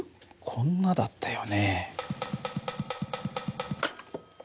こんなだったよね。